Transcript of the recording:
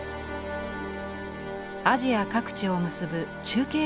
アジア各地を結ぶ中継